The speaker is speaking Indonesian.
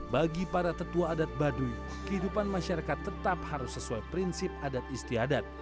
bagi para tetua adat baduy kehidupan masyarakat tetap harus sesuai prinsip adat istiadat